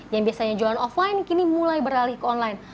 yang biasanya jualan offline kini mulai beralih ke online